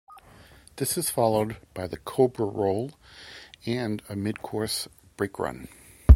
This is followed by the cobra roll and a mid-course brake run.